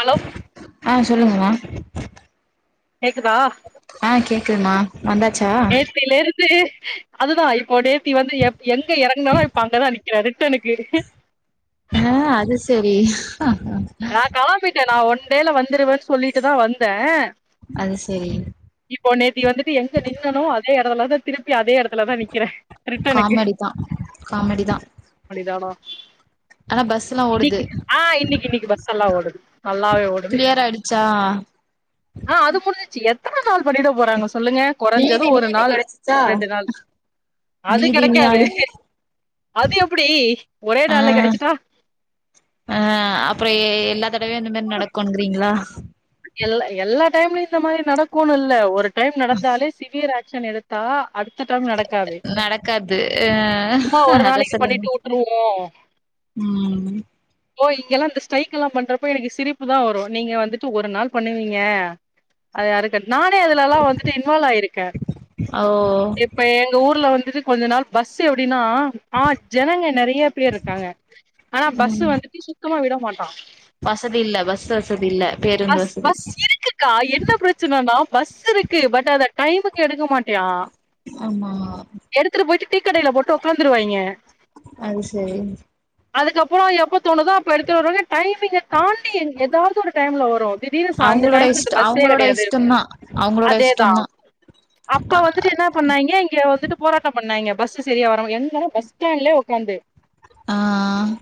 Hello ஆ சொல்லுங்கமா கேக்குதா ஆ கேக்குதுமா வந்தாச்சா நேத்திலெருந்து அதுதா இப்போ நேத்தி வந்து எப் எங்க எறங்குனாலு இப் அங்கதா நிக் கரட்டா எனக்கு ஆ அது சரி ஆ கலாம்பிட்டே நா ஒன் டேல வந்துடுவன் சொல்லிட்டுதா வந்தே அது செரி இப்போ நேதி வந்துட்டு எங்க நின்னனோ அதே எடத்துலதத் திருப்பி அதே எடத்துலதா நிக்கிறே ரிட்டனக்கு காமெடி தா காமெடி தா ஆனா பஸ்ல்லா ஓடுது இன்னிக்கி ஆ இன்னிக்கி இன்னிக்கி பஸ் சல்லா ஓடுது நல்லாவே ஓடுது கிளியர் ஆயிடுச்சா ஆ அது முடிஞ்சிச்சி எத்தன நாள் பண்ணிட போறாங்க சொல்லுங்க கொறஞ்சது நீதி ஒரு நீதி நாள் கெடச்சிச்சா ரெண்டு நாள் அது நீதி கெடைக்காது நியாயம் அது எப்டி ஒரே நாள்ல கெடச்சிட்டா அ அப்புற எல்லா தடவயு இந்த மாரி நடக்குங்கிறீங்ளா எல்ல எல்லா டைம்லுயு இந்த மாரி நடக்குன் இல்ல ஒரு டைம் நடந்தாலே ஸ் சிவியர் ஆக்ஷன் எடுத்தா அடு தடைம் நடக்காது நடக்காது ஆ சும்மா ஒரு அத நாளைக்கு சொல்லுங்க பண்ணிட்டு உட்டுருவோ ம் ஓ இங்கெல்லா இந்த ஸ்ரைக்கெல்லா பண்றப்போ எனக்கு சிரிப்பு தா வரு நீங்க வந்திட் டு ஒரு நாள் பண்ணுவீங்க அது யாருக்கட் நானே அதுலல்லா வந்துட்டு இன்வால்வ் ஆயிருக்க ஓ எப் இப்ப எங்க ஊர்ல வந்துட்டு கொஞ்ச நாள் பஸ்ஸு எப்டின்னா ஆ ஜனங்க நெறைய பேர் இருக்காங்க ஆனா பஸ்ஸு ம் வந்துட்டு சுத்தமா விட மாட்டா வசதி இல்ல பஸ் வசதி இல்ல பேருந்து பஸ் வசதி பஸ் இருக்கு க்கா என்ன பிரச்சனனனா பஸ் இருக்கு பட் அத டைமுக்கு எடுக்க மாட்யா ஆமா எடுத்துட்டு போயிட்டு டீ கடைல போட்டு உக்காந்துருவாய்ங அது சரி அதுக்கப்புறோ எப்ப தோணுதோ அப்ப எடுத்துட்டுவாங்க டைமிங்க தாண்டி ஏதாவது ஒரு டைம்ல வரு திடீனு ஸா ந்த அவங்களோட டைம்ல இந்த இஷ்ட பஸ்ஸே அவங்களோட கெடையாது இஷ்டம்தா அவங்களோட அதேதா இஷ்டம்தா அப்ப வந்துட்டு என்ன பண்ணாய்ங்க இங்க வந்துட்டு போராட்டம் பண்ணாய்ங்க பஸ் சரியா வர எங்க பஸ் ஸ்டாண்ட்லே உக்காந்து ஆ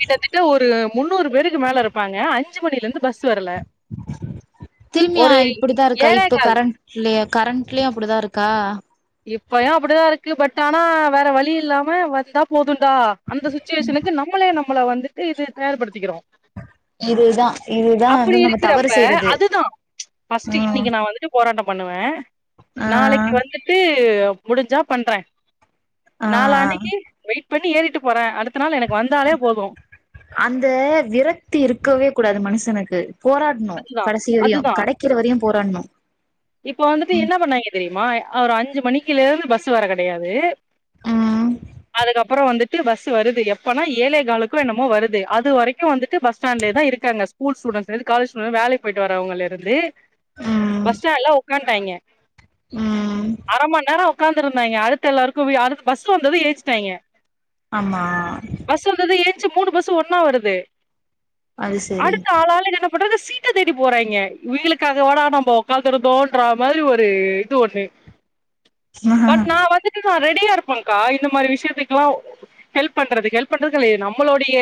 கிட்டத்தட்ட ஒரு முன்னூறு பேருக்கு மேல இருப்பாங்க அஞ்சு மணிலிந்து பஸ்ஸு வரல திரும்மியா ஒரு இப்டிதா இருக்கா ஏழே இப்ப கால் கரண்ட்ல கரண்ட்லியு அப்டிதா இருக்கா இப்பயு அப்டிதா இருக்கு பட் ஆனா வேற வழி இல்லாம வந்தா போதுன்டா அந்த சுச்சுவேஷனுக்கு நம்மளே நம்மள வந்துட்டு இது தயார் படுத்திக்றோ இதுதா இதுதா வந்து அப்புடி நம்ம தவறு இருக்கிறப்ப செய்யறது அதுதா ஃபஸ்ட்டு ம் இன்னைக்கு நா வந்துட்டு போராட்டம் பண்ணுவே ஆ நாளைக்கு வந்துட்டு டு முடிஞ்சா பண்றே ஆ நாலாணிக்கு வெயிட் பண்ணி ஏறிட்டு போறே அடுத் த்த நாள் எனக்கு வந்தாலே போது அந்த விரக்தி இருக்கவே கூடாது மனுஷனுக்கு போராட்ட னு அதுதா கடைசி வரையு கடைக்கிற வரையு போராடனு இப்போ வந்துட்டு என்ன பண்ணாங்கே தெரியுமா ஒரு அஞ்சு மணிக்குல இருந்து பஸ்ஸூ வர கிடையாது ம் அதுக்கப்புறோ வந்துட் டு பஸ் வருது எப்பனா ஏழே காலக்கோ என்னமோ வருது அது வரைக்கு வந்துட்டு பஸ் ஸ்டாண்ட்லே தா இருக்காங்க ஸ்கூல் ஸ்டூடண்ட்ஸ்லந்து காலேஜ் ஸ்டுடட் வேலைக்கு போயிட்டு வரவங்கள இருந்து ம் பஸ் ஸ்டாண்ட்ல உக்க்கான்டாங்கே ம் அரை மந்நேர உட்காந்து இருந்தாங்கே அடுத்த எல்லாருக்கு பஸ் வந்தது எஞ்சுட்டாங்கே ஆமா பஸ் வந்தது ஏரிச்சு மூணு பஸ்ஸு ஒன்னா வருது அது சரி அடுத்த ஆளாலு விட்றத சீட்ட தேடி போறாங்கே இவீளுக்காகவட நம்ம உக்காந்துருதோன்ற மாரி ஒரு இது ஒண்ணு பட் நா வந்துட்டு நா ரெடியா இருப்பேன்கா இந்த மாதிரி விஷயத்துக்குல்லா ஹெல்ப் பண்றது ஹெல்ப் பண்றதுகில்லை அது நம்மளுடைய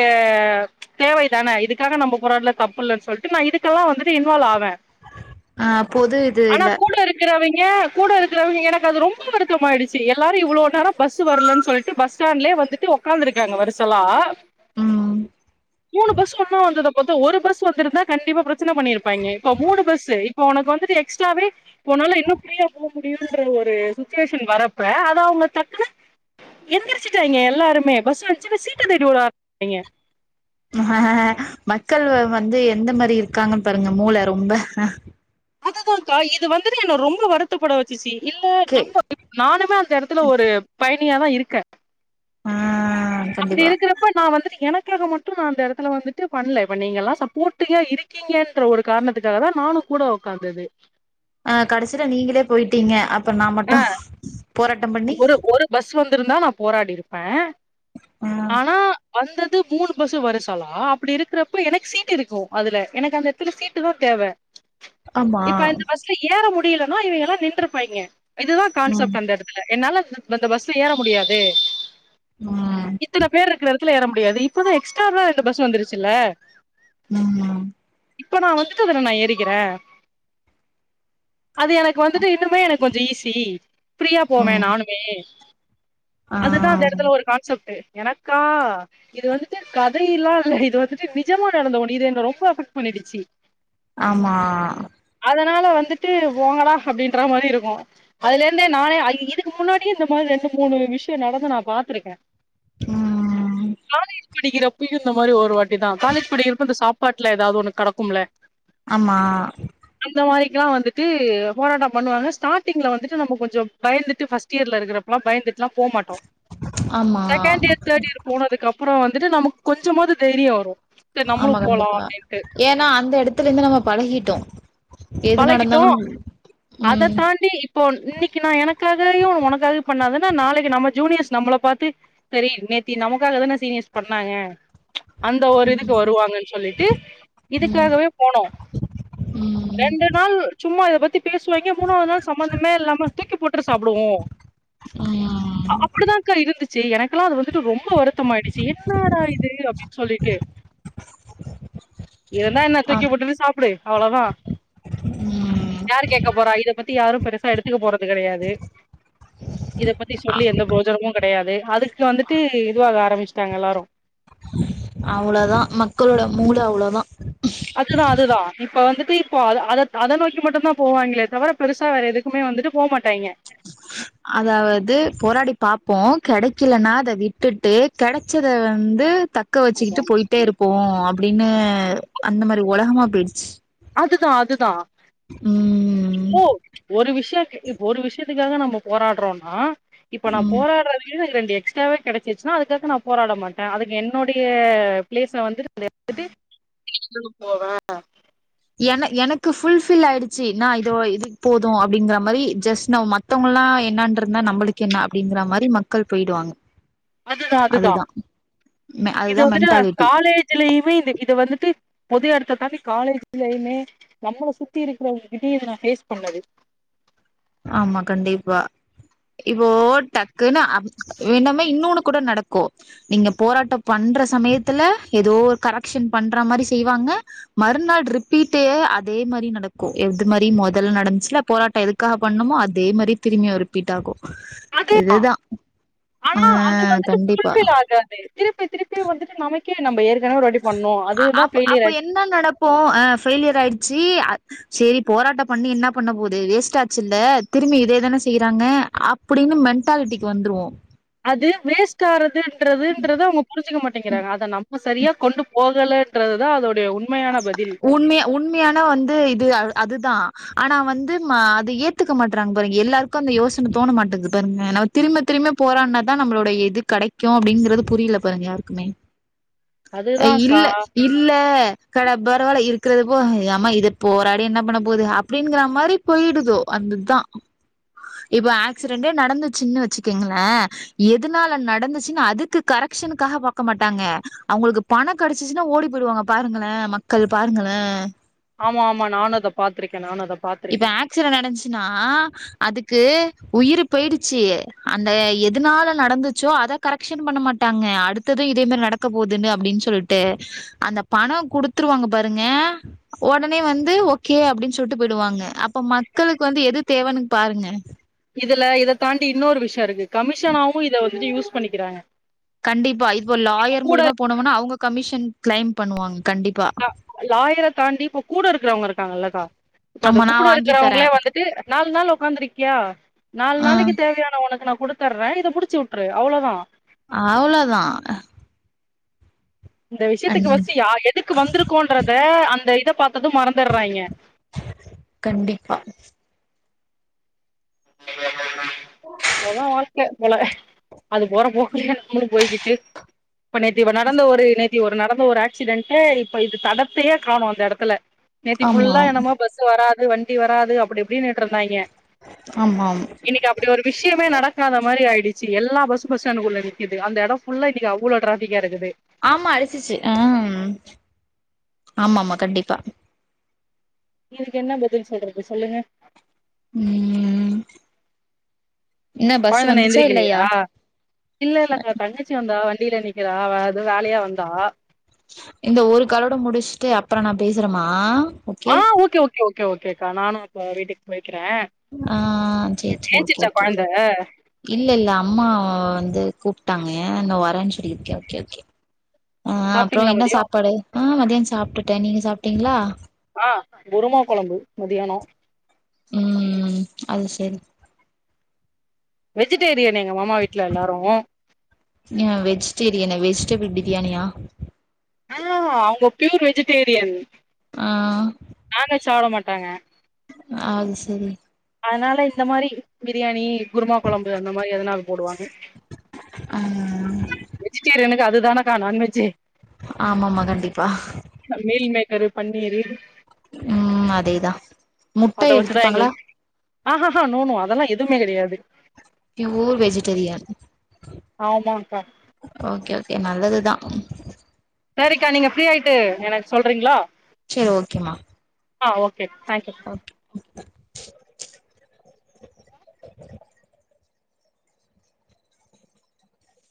தேவை தானே இதுக்காக நம்ம போராடல தப்புல்லன்னு சொல்ட்டு நான் இதுக்கெல்லா வந்துட்டு இன்வால்வ் ஆவே ஆ பொது இது ஆனா இல்ல கூட இருக் பாக்கிறவங்கே கூட இருக்கிறவங்க எனக்கு அது ரொம்ப வருத்தம் ஆயிடுச்சு எல்லாரு இவ்ளோ நேரம் பஸ்ஸு வரலன்னு சொல் ட்டு பஸ் ஸ்டாண்ட்லயே வந்துட்டு உடக்காந்துருக்காங்க வரிசலா ம் மூணு பஸ் ஒன்னா வந்தத பாத்த ஒரு பஸ் வந்திருந்தா கண்டிப்பா பிரச்சன பண்ணிருப்பாங்கே இப்ப மூணு பஸ்ஸு இப்ப உனக்கு வந்துட்டு எக்ஸ்ட்டாவே போனாலு இன்னு ஃபிரீயா போக முடியுன்ற ஒரு சுச்சுவேஷன்க்கு வரப்ப அத அவுங்க டக்குனு எந்திரிச்சிட்டானுங்கே எல்லாருமே பஸ் வந்துச்சுனு சீட்ட தேடி ஓட ஆரம்பிச்சுடாங்கே மக்கள் வந்து எந்த மாதிரி இருக்காங்கன்னு பாருங்க மூளை ரொம்ப அதுதான்கா இது வந்துட்டு என்ன ரொம்ப வரு த்த பட வச்சுச்சு இல்ல கே நம்ம நானுமே அந்த இடத்துல ஒரு பயணியா தா இருக்கே ஆ அப்படி கண்டிப்பா இருக்கிறப்ப நா வந்துட்டு எனக்காக மட்டு நான் அந்த இடத்துல வந்துட்டு பண்ல இப்ப நீங்க எல்லா சப்போர்டிவா இரு க்கீங்கன்ற ஒரு காரணத்துக்காக தா நானு கூட உக்காந்தது அ கடைசியில நீங்களே போயிட்டீங்க அப்ப நா ஆ மட்டு போராட்டம் பண்ணி ஒரு ஒரு பஸ் வந்திருந்தா நான் போராடி இருப்பே ஆ ஆனா வந்தது மூணு பஸ்ஸு வருசாலா அப்படி இருக்கிறப்ப எனக்கு சீட் இருக்கு அதுல எனக்கு அந்த எ டத்துல சீட்டுதா தேவை ஆமா இப்ப அந்த பஸ்ல ஏற முடியலனா இவுங்கே எல்லா நின்றுருப்பாங்கே இதுதா ம் கான்செப்ட் அந்த இடத் என்னால அந் அந்த பஸ் ஏற முடியாது ம் இத்தன பேர் இருக்க த்துல ஏற முடியாது இப்பதா எக்ஸ்ட்ராவா ரெண்டு பஸ் வந்துருச்சுல்ல ம் ம் இப்ப நா வந்துட்டு அதல நா ஏறிக்கிறே அது எனக்கு வந்துட்டு இன்னுமே எனக்கு கொஞ்சோ ஈஸி ஃப்ரீயா போவேன் ம் நானுமே ஆ அதுதான் அந்த இடத்துல ஒரு கான்செப்ட் எனக்கா இது வந்துட்டு கதையெல்லா இல்ல இது வந்துட்டு நிஜமா நடந்த ஒண்ணு இது என்ன ரொம்ப அஃபெக்ட் பண்ணிடுச்சு ஆமா அதனால வந்துட்டு போங்கடா அப்படின்ற மாரி இருக்கு அதுல இருந்தே நானே ஐ இதுக்கு முன்னாடியு இந்த மாதிரி ரெண்டு மூணு விஷய நடந்து நா பாத்திருக்கே ஆ படிக்கிறப்ப இந்த மாரி ஒரு வாட்டி தா காலேஜ் படிக்கிறப்ப இந்த சாப்பாட்ல எதாது ஒன்னு கடக்கும்ல ஆமா அந்த மாரிக்கலா வந்துட்டு போராட்ட பண்ணுவாங்க ஸ்டார்டிங்ல வந்துட்டு நம்ம கொஞ்சம் பயந்து ட்டு பஸ்ட் இயர்ல இருக்குறபலா பயந்துட்லா போ மாட்டோ ஆமா செகண்ட் இயர் தேர்ட் இயர் போனதுக்கு அப்றோ வந்துட்டு நமக்கு கொஞ்சமாது தெய்ரியோ வரு சரி நம்மளு ஆமா போலா கண்டிப்பா அப்டின்ட்டு ஏனா அந்த எடத்துல இருந்து நம்ம பழகிட்டோ எது பழகிட்டோ நடந்தாலும் அத ம் தாண்டி இப்போ இன்னிக்கு நா எனக்காகயு ஒனக்காக பண்ணா தானே நாளைக்கு நம்ம ஜூனியர்ஸ் நம்மள பாத்து செரி நேத்தி நமக்காக தானே சீனியர்ஸ் பண்ணாங்க அந்த ஒரு இதுக்கு ம் வருவாங்கன் சொல்லிட்டு ம் இதுக்காகவே போனோ ம் ரெண்டு நாள் சும்மா இத பத்தி பேசுவாய்ங்க மூணாது நாள் சம்பந்தமே இல்லாம தூக்கி போட்ரு சாப்டுவோ ம் அப்டிதாங்க்கா இருந்துச்சி எனக்கெல்லா அது வந்துட்டு ரொம்ப வருத் தமாயிடுச்சி என்னாடா இது அப்டின் சொல்லிட்டு இருந்தா என்னா அ தூக்கி போட்டுட்டு சாப்டு அவ்ளோ தா ம் யாரு கேக்க போறா இத பத்தி யாரு பெருசா எடுத்துக்க போறது கெடையாது இத பத்தி சொல்லி எந்த ப்ரோஜனமு கெடையாது அதுக்கு வந்துட்டு இதுவா வேரம்பிச்ட்டாங்க எல்லாரு அவ்ளோதா மக்களோட மூள அவ்ளோதா ஆக்சுலா அதுதா இப்ப வந்துட்டு இப்போ அத அத நோக்கி மட்டு தா போவாய்ங்களே தவர பெருசா வேற எதுக் குமே வந்துட்டு போ மாட்டாய்ங்க அதாவது போராடி பாபோ கெடைக்கலன்னா அத விட்டுட்டு கெடச்சத வந்து த க்க வச்சிக்கிட்டு அதான். பொயிட்டே இருப்போ அப்டினு அந்த மாரி ஒலகமா பொயிட்ச்சி அதுதா அதுதா ம் ஓ ஒரு விஷய இப் ஒரு விஷயத்துக்காக நம்ம போராட்றோனா இப்ப நா ம் போராட்றதே ரெண்டு எக்ஸ் காக கெடச்சசினா அதுக்காக நா போராட மாட்டே அதுக்கு என்னுடைய பிளேஸ்ல வந்து [inaudible] ட்டுக்கு போவே என எனக்கு ஃபுல் ஃபில் ஆயிடுச்சி நா இதோ இதுக்கு போது அப்டிங்கற மாரி ஜெஸ் நம் மத் மத்தோங்லா என்னான் இருந்தா நம்ளுக்கு என்னா அப்டிங்கற மாரி மக்கள் பொயிடுவாங்க அதுதா அதுதா இது அதுதா வந்துட்டு மென்டாலிட்டி காலேஜ் இதுலயுமே இது இது வந்துட்டு பொது எடத்த தாண்டி காலேஜ்லயுமே நம்மள சுத்தி இருக்குறவங்ககிட்டயே இத நா பேஸ் பண்ணது ஆமா கண்டிப்பா இபோ டக்குன்னு அப் என்னமே இன்னொன்னு கூட நடக்கு நீங்க போராட்ட பண்ற சமயத்துல எதோ கரெக்க்ஷன் பண்ற மாரி செய்வாங்க மறுநாள் ரிப்பீட்டே அதே மாரி நடக்கு எவ்து மாரி மொதல் நடந்ச்சில போராட்ட எதுக் காக பண்ணமோ அதே மாரி திரும்பியு ரிப்பீட் ஆகு [inaudible] இதுதா ஆ ஆனா அது வந்துட்டு கண்டிப்பா ஃபுல்பில் ஆக திருப்பி திருப்பி வந்துட்டு நமக்கே நம்ம ஏற்கனவே ஒரு வாட்டி பண்ணோம் அ அதுதான் அப்ப ஃபெயிலியர் அப்ப ஆச்சு என்ன நனப்போ அ ஃபெயிலியர் ஆயிட்ச்சி சேரி போராட்ட பண்ணி என்ன பண்ண போது வேஸ்ட் ஆச்சு இல்ல திரும்பி இதே தானே செய்றாங்க அப் அப்டினு மென்டாலிட்டிக்கு வந்துருவோ அது வேஸ்ட் ஆறதுன்றதுன்றது அவங்க புருசுக்க மாட்டேங்கிறாங்க அத நம்ம சரியா கொண்டு போகல லன்றது தா அதோடைய உண்மையான பதில் உண்மையா உண்மையான வந்து இது அத் அதுதா ஆனா வந்து மா அது ஏத்துக்க மாட்றாங்க பாருங்க எல்லாருக்கு அந்த யோசன தோண மாட்டேங்குது பாருங்க நவத் திரும்ப திரும்ப போராட்னாதா நம்பளுடைய இது கெடைக்கு அப்டிங்றது புரியில பாருங்க யாருக்குமே அ அதுதான்க்கா இல்ல இல்ல கட பரவால்ல இருக்க றது போக ஏமா இத போராடி என்ன பண்ண போது அப்டிங்கிற மாறி போயிடுதோ அந்துதா இப்ப ஆக்சிடென்டே நடந்துச்சின்னு வச்சுக்கங்ளே எதுனால நடந்துச்சின்னு அதுக்கு கரெக்ஷனுக்காக பா க்க மாட்டாங்க அவங்களுக்கு பணோ கெடச்சின்னா ஓடி போயிடுவாங்க பாருங்களே மக்கள் பாருங்களே ஆமா ஆமா நானும் அத பாத்திருக்கே நானு அத பாத் இப்ப ஆக்சிடன் நடந்துச்சின்னா அதுக்கு உயிர் போயிடுச்சி அந்த எதுனால நடந்துச்சோ அத கரெக்ஷனு பண்ண மாட்டாங்க அடுத்தது இதே மாறி நடக்க போதுன்னு அப்டின்னு சொல்ட்டு அந்த பணோ குடுத்துருவாங்க பாருங்க உடனே வந்து ஓகே அப்டின்னு சொல்ட்டுப் போயிடுவாங்க அப்ப மக்களுக்கு வந்து எது தேவைன்னு பாருங்க இதுல இத தாண்டி இன்னொரு விஷ்ய இருக்கு கமிஷனாவும் இத வந்துட்டு யூஸ் பண்ணிக்கிறாங்க கண்டிப்பா இப்ப லாயர் கூட மூலியமா போனம்னா அவங்க கமிஷன் கிளைம் பண்ணுவாங்க கண்டிப்பா அ லாயர தாண்டி இப்ப கூட இருக்கறவங்க இருக்காங்கல்லக்கா இப்ப அது ஆமா நா கூட வாங்கி தரே இருக்கிறவங்களே வந்துட்டு நாலு நாள் உக்காந்துருக்கியா நால் ஆ நாளைக்கி தேவையான உனக்கு நா குடுத்தர்றே இத முடிச்சி விட்ரு அவ்ளோதா அவ்ளதா அ இந்த விஷயத்துக்கு ஃபர்ஸ்ட்டு யா எதுக்கு வந்திருக்கோன்றத அந்த இத பாத்ததும் மறந்துட்றாங்க கண்டிப்பா அது தா வாழ்க்கை போல அது போற போக்கலயே நம்மளு போய்கிட்டு இப்ப நேத்து இவ நடந்த ஒரு நேர் யோ ஒரு நடந்த ஒரு ஆக்சிடென்ட்டு இப்ப இது தடத்தையே காணோ அந்த இடத்துல நேத்தி ஆமா புல்லா ஆமாம் என்னமோ பஸ் பஸ்சு வராது வண்டி வராது அப்டி இப்டின்னுட்டு இருந்தாங்க ஆமா ஆம் இன்னைக்கு அப்டி ஒரு விஷயமே நடக்காத மாறி ஆயிடுச்சி எல்லா பஸ்சும் பஸ் ஸ்டேன்டுக்குள்ள நிக்குது அந்த எடோ ஃபுல்லா இன்னிக்கு அவ்ளோ டிராபிக்கா இருக்குது ஆமா அடிச்சிச்சி ம் ஆமா ஆமா கண்டிப்பா இதுக்கு என்ன பதில் சொல்றது சொல்லுங்க உம் என்ன பஸ் கொழந்தனா வந்துச்சா எந்திரிக்கலையா இல்லயா இல்ல இல்லங்க தங்கச்சி வந்தா வண்டில நிக்கிறா அவ எதோ வேலையா வந்தா இந்த ஒரு கலோட முடிஸ்ட்டு அப்பறோ நா பேசறம்மா ஆ ஓகே ஓகே ஓகே ஓகே அக்கா நானு அப்ப வீட்டுக்கு போய்க்கிற ஆ சேரி இங்க சேரி ஓகே ஏன்சிச்சா ஓகே கொழந்த இல்ல இல்ல அம்மா வந்து கூப்ட்டாங்க நா வரேன்னு சொல்லியிரு கே ஒகே ஒகே அ அப்றோ சாப்ட்டீங்களா என்ன மதியோ சாப்பாடு ஆ மதியம் சாப்ட்டுட்ட நீங்க சாப்டீங்ளா ஆ குருமா கொழம்பு மதியானோ உம் அது சரி வெஜிடேரியன் எங்க மாமா வீட்ல எல்லாரு ங்யா வெஜிடேரியனா வெஜிடபிள் பிரியாணியா ஆ அவங்க பியூர் வெஜிடேரியன் ஆ நான் வெஜ் சாப்ட மாட்டாங்க அது சரி அதனால இந்த மாரி பிரியாணி குருமா கொழம்பு அந்த மாரி எதனாலு போடுவாங்க ஆ வெஜிடேரியனுக்கு அதுதானக்கா நான்வெஜ்ஜு ஆமாமா கண்டிப்பா மீல் மேக்கரு பன்னீரு ம் அதேதா முட்ட அத வச்சுதா எடுத்துப்பாங்களா எங்களுக்கு ஆஹஹா நோநோ அதெல்லா எதுமே கெடையாது பியூர் வெஜிடேரியன் ஆமாக்கா ஓகே ஓகே நல்லதுதா சேரிக்கா நீங்க ஃப்ரீயாயிட்டு எனக்கு சொல்றீங்களா சேரி ஓகேம்மா ஆ ஓகே தேங்க்யூ ஓகே ஓகே